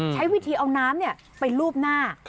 ใช้วิธีเอาน้ำไปลูบหน้า